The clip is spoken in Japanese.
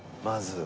まず。